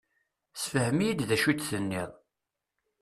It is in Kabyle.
Sefhem-iyi-d d acu i d-tenniḍ.